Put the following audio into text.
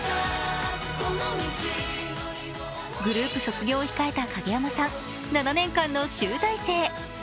グループ卒業を控えた影山さん、７年間の集大成。